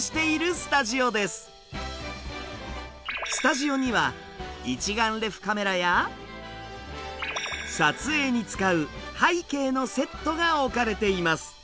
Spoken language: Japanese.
スタジオには一眼レフカメラや撮影に使う背景のセットが置かれています。